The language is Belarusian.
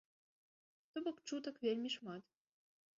То бок чутак вельмі шмат.